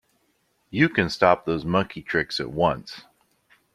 You can stop those monkey tricks at once!